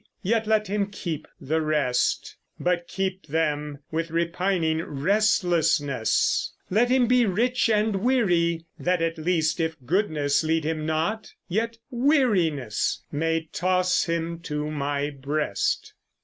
Yet let him keep the rest, But keep them with repining restlessness: Let him be rich and weary, that at least, If goodness lead him not, yet weariness May toss him to my breast.